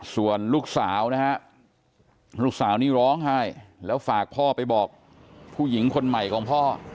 ส่วนลูกสาวนะฮะลูกสาวนี่ร้องไห้แล้วฝากพ่อไปบอกผู้หญิงคนใหม่ของพ่อ